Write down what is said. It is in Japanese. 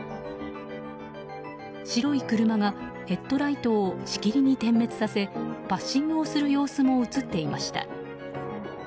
白い車がヘッドライトをしきりに点滅させパッシングをする様子も映っていました。